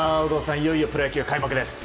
いよいよプロ野球開幕です。